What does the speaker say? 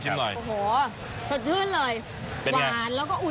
เผื่อทื่นเลยหวานแล้วก็อุ่น